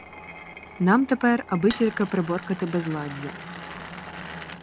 Нам тепер — аби тільки приборкати безладдя.